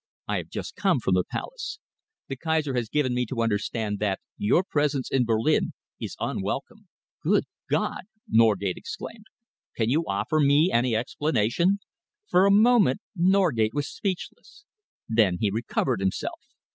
I have just come from the Palace. The Kaiser has given me to understand that your presence in Berlin is unwelcome." "Good God!" Norgate exclaimed. "Can you offer me any explanation?" For a moment Norgate was speechless. Then he recovered himself.